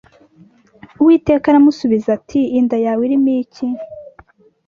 uwiteka aramusubiza ati inda yawe irimo iki?